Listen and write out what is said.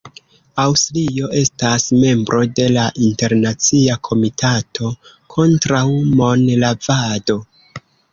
Aŭstrio estas membro de la Internacia Komitato kontraŭ Monlavado.